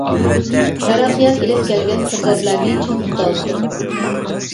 تەرەققىيات ئېلىپ كەلگەن پۇرسەتلەرنى چىڭ تۇتالمىدۇق.